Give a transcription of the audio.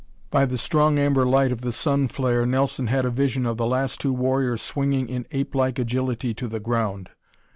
By the strong amber light of the sun flare Nelson had a vision of the last two warriors swinging in apelike agility to the ground.